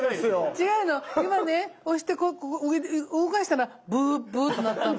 違うの今ね押して動かしたらブーブーとなったの。